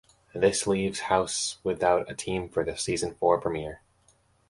This leaves House without a team for the season-four premiere.